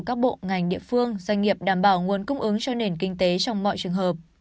các bộ ngành địa phương doanh nghiệp đảm bảo nguồn cung ứng cho nền kinh tế trong mọi trường hợp